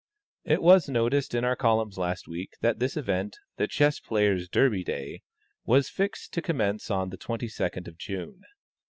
It was noticed in our columns last week that this event, the Chess players' Derby day, was fixed to commence on the 22d of June.